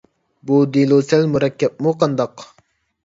بۇ دېلو سەل مۇرەككەپمۇ قانداق؟